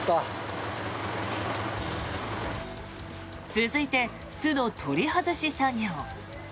続いて、巣の取り外し作業。